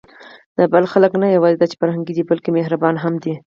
د بلخ خلک نه یواځې دا چې فرهنګي دي، بلکې مهربانه هم دي.